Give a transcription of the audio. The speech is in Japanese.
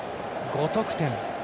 ５得点。